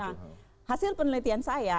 nah hasil penelitian saya